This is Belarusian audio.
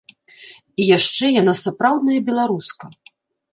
І яшчэ яна сапраўдная беларуска.